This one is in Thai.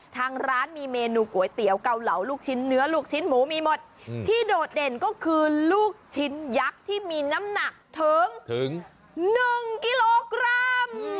ทางร้านมีเมนูก๋วยเตี๋ยวเกาเหลาลูกชิ้นเนื้อลูกชิ้นหมูมีหมดที่โดดเด่นก็คือลูกชิ้นยักษ์ที่มีน้ำหนักถึง๑กิโลกรัม